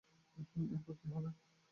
এরপর কী হবে?